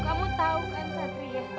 kamu tau kan satria